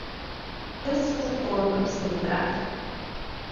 This was a form of civil death.